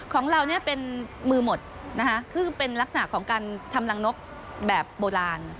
ของเราเนี่ยเป็นมือหมดนะคะคือเป็นลักษณะของการทำรังนกแบบโบราณ